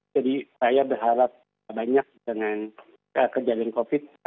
jadi saya berharap banyak dengan kejadian covid